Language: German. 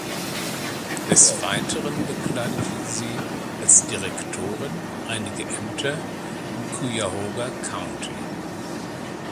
Des Weiteren bekleidete sie als Direktorin einige Ämter im Cuyahoga County.